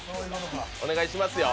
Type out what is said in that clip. お願いしますよ。